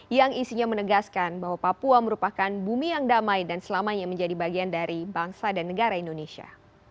yang isinya menegaskan bahwa papua merupakan bumi yang damai dan selamanya menjadi bagian dari bangsa dan negara indonesia